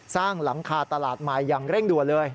สร้างหลังคาตลาดใหม่อย่างเร่งด่วนเลย